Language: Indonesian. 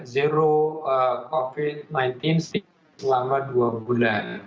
zero covid sembilan belas selama dua bulan